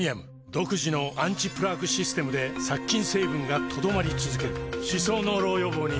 独自のアンチプラークシステムで殺菌成分が留まり続ける歯槽膿漏予防にプレミアム